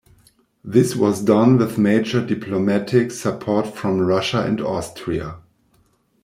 This was done with major diplomatic support from Russia and Austria.